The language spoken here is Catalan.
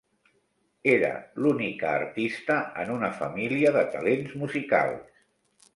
Era l'única artista en una família de talents musicals.